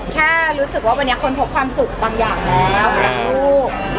แค่รู้สึกว่าวันนี้คนพบความสุขบางอย่างแล้วรักลูก